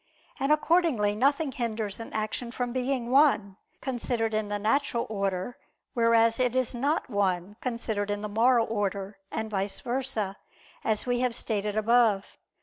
And accordingly, nothing hinders an action from being one, considered in the natural order; whereas it is not one, considered in the moral order; and vice versa, as we have stated above (A.